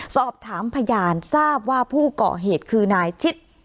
สอบถามพยานทราบว่าผู้เกาะเหตุคือนายทิศ